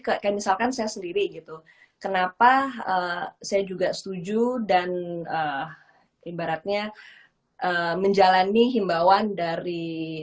ke misalkan saya sendiri gitu kenapa saya juga setuju dan ibaratnya menjalani himbauan dari